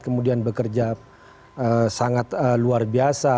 kemudian bekerja sangat luar biasa